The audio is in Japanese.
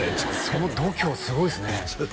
その度胸すごいっすね